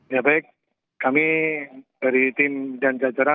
ya baik kami dari tim dan jajaran